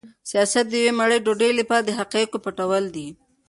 سیاست د یوې مړۍ ډوډۍ لپاره د حقایقو پټول دي.